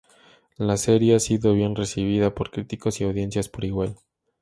La serie ha sido bien recibida por críticos y audiencias por igual.